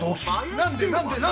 何で何で何で！？